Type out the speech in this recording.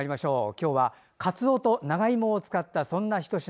今日は、かつおと長芋を使ったそんなひと品。